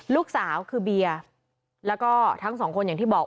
ลูกสาวคือเบียร์แล้วก็ทั้งสองคนอย่างที่บอก